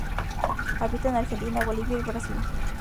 Habita en Argentina, Bolivia y Brasil.